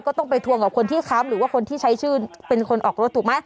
ก็ต้องไปทวงกับคนที่ค้ำหรือว่าคนที่ใช้ชื่อเป็นคนออกรถถูกไหม